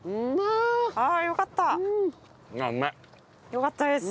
よかったです！